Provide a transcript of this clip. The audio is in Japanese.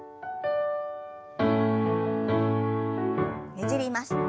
ねじります。